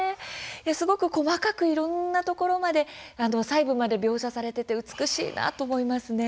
すごく細かくいろんなところまで最後まで描写されていて美しいなと思いますね。